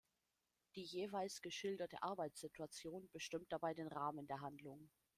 Die jeweils geschilderte Arbeitssituation bestimmt dabei den Rahmen der Handlung.